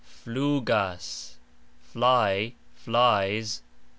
flUgas : fly, flies.